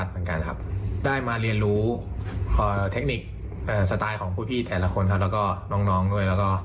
สไตล์ของผู้พี่แต่ละคนแล้วก็น้องด้วย